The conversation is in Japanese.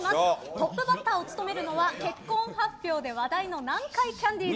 トップバッターを務めるのは結婚発表で話題の南海キャンディーズ。